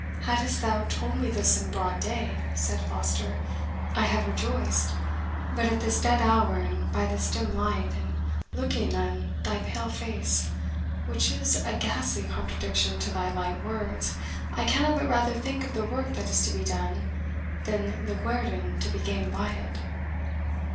"Hadst thou told me this in broad day," said Foster, "I had rejoiced; but at this dead hour, and by this dim light, and looking on thy pale face, which is a ghastly contradiction to thy light words, I cannot but rather think of the work that is to be done, than the guerdon to be gained by it."